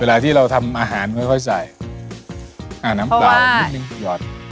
เวลาที่เราทำอาหารค่อยค่อยใส่อ่าน้ำเปล่านิดนึงหยอด